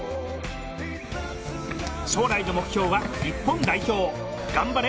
将来の目標は日本代表頑張れ！